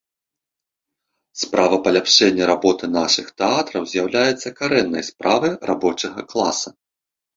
Справа паляпшэння работы нашых тэатраў з'яўляецца карэннай справай рабочага класа.